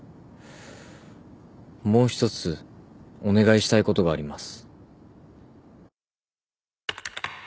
もう一つお願いしたいことがあります。